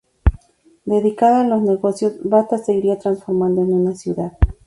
Dedicada a los negocios, Bata se iría transformando en una ciudad.